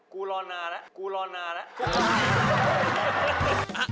กรรณานะ